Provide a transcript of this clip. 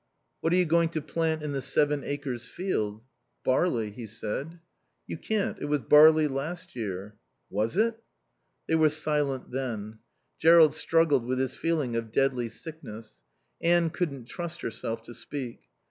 "What are you going to plant in the Seven Acres field?" "Barley," he said. "You can't. It was barley last year." "Was it?" They were silent then. Jerrold struggled with his feeling of deadly sickness. Anne couldn't trust herself to speak.